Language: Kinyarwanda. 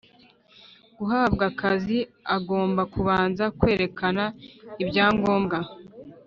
guhabwa akazi agomba kubanza kwerekana ibyangombwa